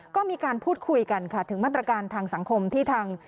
ก็มีการพูดคุยกันค่ะถึงมาตรการทางสังคมที่ทาง